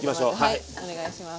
はいお願いします。